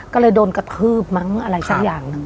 ก็เลยโดนกระทืบมั้งอะไรสักอย่างหนึ่ง